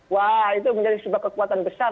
wah itu menjadi sebuah kekuatan besar